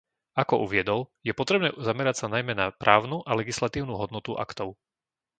Ako uviedol, je potrebné zamerať sa najmä na právnu a legislatívnu hodnotu aktov.